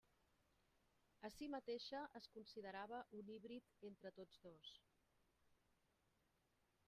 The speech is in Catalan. A si mateixa es considerava un híbrid entre tots dos.